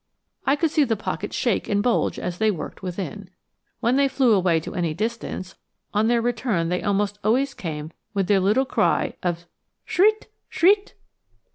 I could see the pocket shake and bulge as they worked within. When they flew away to any distance, on their return they almost always came with their little call of schrit, schrit.